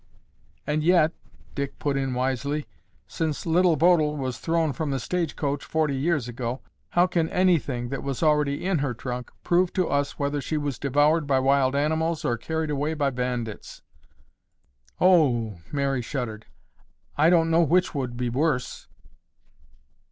"And yet," Dick put in wisely, "since Little Bodil was thrown from the stage coach forty years ago, how can anything that was already in her trunk prove to us whether she was devoured by wild animals or carried away by bandits?" "Oh oo!" Mary shuddered. "I don't know which would be worse."